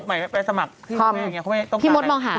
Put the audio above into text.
พี่มดมองหาอะไรใช่ไหมพี่มดมองหาอะไร